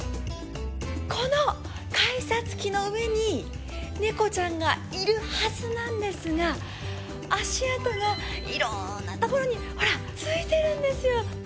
この改札機の上に、ネコちゃんがいるはずなんですが、足跡も、いろんなところに、ほら、ついてるんですよ。